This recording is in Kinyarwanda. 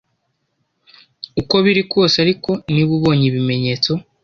Uko biri kose ariko niba ubonye ibimenyetso